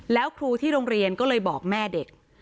แล้วครูที่โรงเรียนก็เลยบอกแม่เด็ก